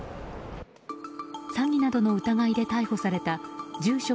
詐欺などの疑いで逮捕された住所